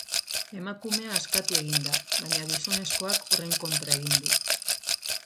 Emakumea askatu egin da, baina gizonezkoak horren kontra egin du.